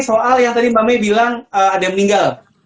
soal yang tadi mbak may bilang ada yang meninggal